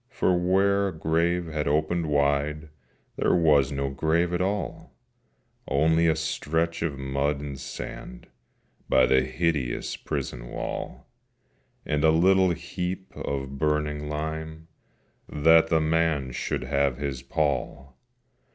For where a grave had opened wide, There was no grave at all: Only a stretch of mud and sand By the hideous prison wall, And a little heap of burning lime, That the man should have his pall.